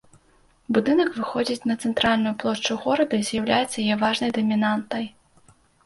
Будынак выходзіць на цэнтральную плошчу горада і з'яўляецца яе важнай дамінантай.